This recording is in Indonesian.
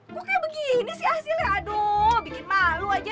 gue kayak begini sih hasilnya aduh bikin malu aja